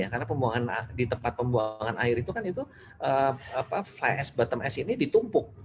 karena di tempat pembuangan air itu kan itu fly ash bottom ash ini ditumpuk